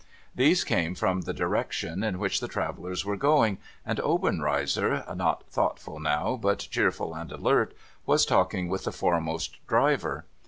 These came from the direction in which the travellers were going, and Obenreizer (not thoughtful now, but cheerful and alert) was talking with the foremost driver.